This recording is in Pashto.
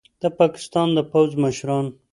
د پاکستان د پوځ مشران